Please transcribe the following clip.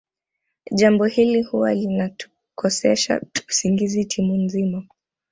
Jambo hili huwa linatukosesha usingizi timu nzima